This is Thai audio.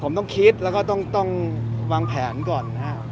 ผมต้องคิดแล้วก็ต้องวางแผนก่อนนะครับ